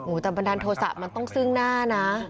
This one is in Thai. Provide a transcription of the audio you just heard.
แต่บันดาลโทษะมันต้องซึ่งหน้านะ